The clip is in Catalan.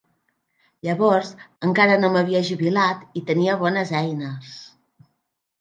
Llavors encara no m'havia jubilat i tenia bones eines.